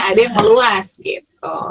ada yang meluas gitu